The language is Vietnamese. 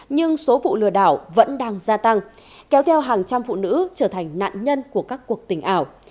nhưng số vụ lừa đảo vẫn đang gia tăng kéo theo hàng trăm phụ nữ trở thành nạn nhân của các cuộc tình ảo